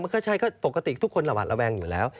ก็ใช่ก็ปกติทุกคนระหวัดระแวงอยู่แล้ว